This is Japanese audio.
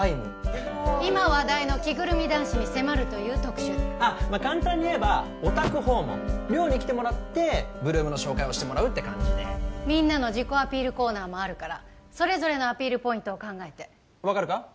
今話題の着ぐるみ男子に迫るという特集簡単に言えばお宅訪問寮に来てもらって８ＬＯＯＭの紹介をしてもらうって感じでみんなの自己アピールコーナーもあるからそれぞれのアピールポイントを考えて分かるか？